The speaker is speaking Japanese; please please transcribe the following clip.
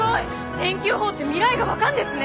天気予報って未来が分かんですね！